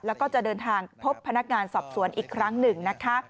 แล้วก็จะเดินทางพบพนักงานสอบสวนอีกครั้งหนึ่งนะคะ